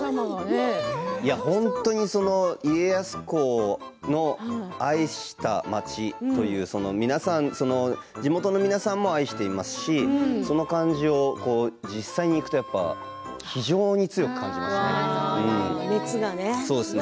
本当に家康公の愛した町という地元の皆さんも愛していますしその感じを実際に行くと非常に強く感じますね。